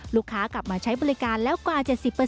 ลูกค้ากลับมาใช้บริการแล้วกว่า๗๐